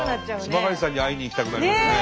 津曲さんに会いに行きたくなりますね。